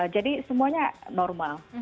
jadi semuanya normal